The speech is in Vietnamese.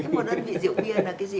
một đơn vị rượu bia là cái gì